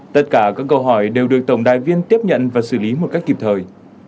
tất cả các câu hỏi đều được tổng đài viên tiếp nhận và xử lý một cách kịp thời